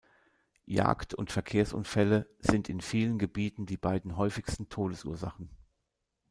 Jagd und Verkehrsunfälle sind in vielen Gebieten die beiden häufigsten Todesursachen.